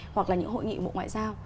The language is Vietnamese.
hoặc là những hội nghị bộ ngoại giao